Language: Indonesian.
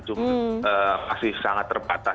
cuma masih sangat terbatas